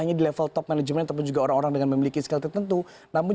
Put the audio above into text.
hanya di level top management ataupun juga orang orang dengan memiliki skill tertentu namun